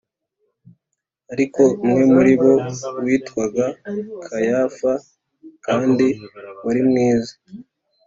Ariko umwe muri bo witwaga Kayafa kandi wari mwiza